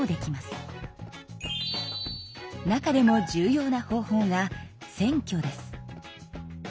中でも重要な方法が選挙です。